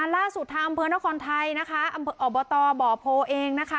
ล่าสุดทางอำเภอนครไทยนะคะอบตบ่อโพเองนะคะ